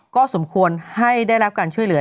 ก็สมควรให้ได้รับการช่วยเหลือ